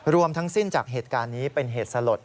รวมทั้งสิ้นจากเหตุการณ์นี้เป็นเหตุสลด